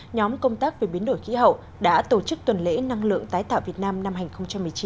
nhóm công tác về biến đổi khí hậu đã tổ chức tuần lễ năng lượng tái tạo việt nam năm hai nghìn một mươi chín